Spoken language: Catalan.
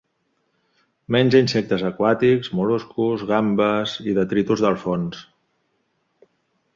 Menja insectes aquàtics, mol·luscs, gambes i detritus del fons.